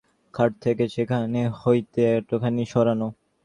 খাট যেখানে ছিল সেখান হইতে একটুখানি সরানো।